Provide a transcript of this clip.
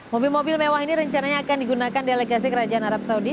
mobil mobil mewah ini rencananya akan digunakan delegasi kerajaan arab saudi